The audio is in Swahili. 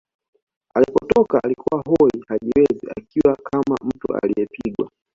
Alipotoka alikuwa hoi hajiwezi akiwa kama mtu aliyepigwa